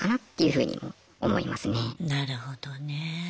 なるほどね。